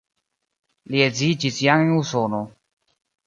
Li edziĝis jam en Usono.